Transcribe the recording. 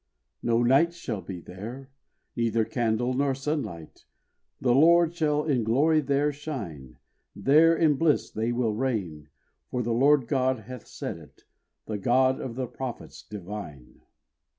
No night shall be there, neither candle nor sunlight, The Lord shall in glory there shine; There in bliss they will reign, for the Lord God hath said it, The God of the prophets divine.